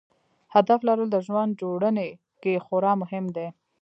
هدف لرل د ژوند جوړونې کې خورا مهم دی.